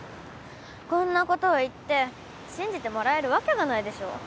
こんなことを言って信じてもらえるわけがないでしょ